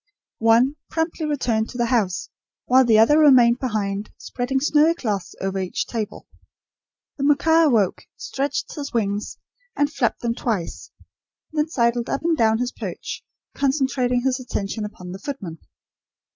One, promptly returned to the house; while the other remained behind, spreading snowy cloths over each table. The macaw awoke, stretched his wings and flapped them twice, then sidled up and down his perch, concentrating his attention upon the footman.